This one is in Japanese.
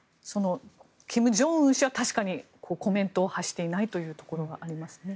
金正恩総書記は確かにコメントを発していないというところがありますね。